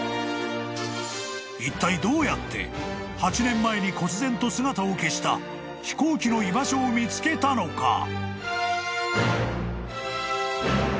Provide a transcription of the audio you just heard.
［いったいどうやって８年前にこつぜんと姿を消した飛行機の居場所を見つけたのか？］